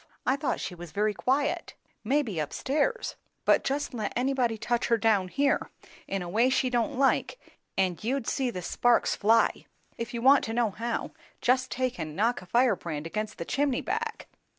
"I thought she was very quiet." "Maybe, up stairs. But just let anybody touch her down here, in a way she don't like, and you'd see the sparks fly! If you want to know how, just take and knock a firebrand against the chimney back."